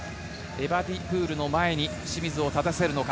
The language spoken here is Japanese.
エバディプールの前に清水を立たせるのか。